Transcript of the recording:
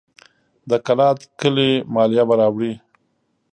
د کلات کلي مالیه به راوړي.